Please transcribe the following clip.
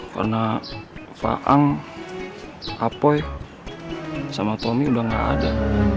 karena faang apoi sama tommy udah gak ada